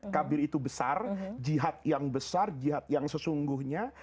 kabir itu besar jihad yang besar jihad yang sesungguhnya